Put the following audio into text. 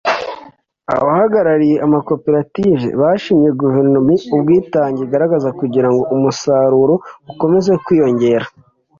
Abahagarariye amakoperative bashimye Guverinoma ubwitange igaragaza kugira ngo umusaruro ukomeze kwiyongera